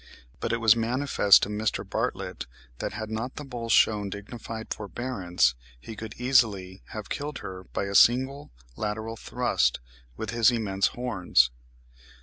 But it was manifest to Mr. Bartlett that, had not the bull shewn dignified forbearance, he could easily have killed her by a single lateral thrust with his immense horns.